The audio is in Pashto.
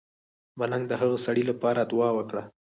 ملنګ د هغه سړی لپاره دعا وکړه.